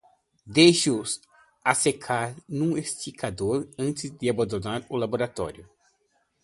Deixei-o a secar num exsicador antes de abandonar o laboratório